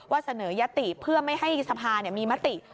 เสนอยติเพื่อไม่ให้สภามีมติ